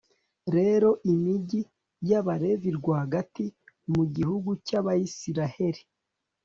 rero imigi y'abalevi rwagati mu gihugu cy'abayisraheli